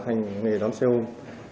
hành nghề đón xe ôm